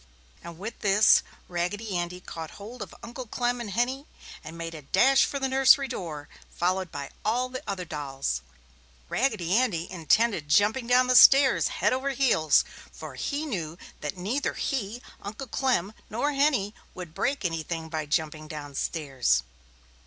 And with this, Raggedy Andy caught hold of Uncle Clem and Henny, and made a dash for the nursery door, followed by all the other dolls. Raggedy Andy intended jumping down the stairs, head over heels, for he knew that neither he, Uncle Clem nor Henny would break anything by jumping down stairs.